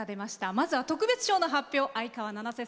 まずは特別賞の発表。